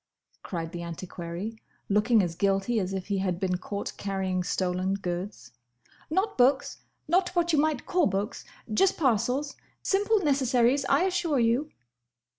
cried the antiquary, looking as guilty as if he had been caught carrying stolen goods. "Not books. Not what you might call books. Just parcels. Simple necessaries, I assure you."